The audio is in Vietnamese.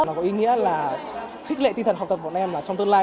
nó có ý nghĩa là khích lệ tinh thần học tập bọn em là trong tương lai